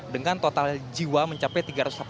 dengan total jiwa mencapai tiga ratus delapan puluh